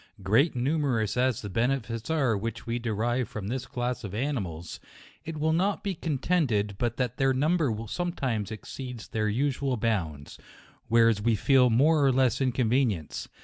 Great and numerous as the benefits are which we derive from this class of animals, it will not be contended but that their number sometimes exceeds their usual bounds, whef; JUNE. 1*3 we feel more or less inconvenience.